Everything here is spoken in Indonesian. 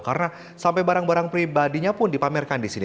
karena sampai barang barang pribadinya pun dipamerkan di sini